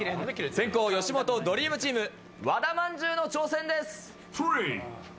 先攻吉本ドリームチーム和田まんじゅうの挑戦です！